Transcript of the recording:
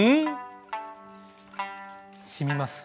しみます。